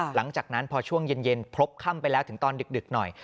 หลังจากนั้นพอช่วงเย็นพบค่ำไปแล้วถึงตอนดึกหน่อย